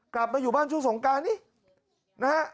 กลับมาอยู่บ้านช่วงสงการนี้นะฮะ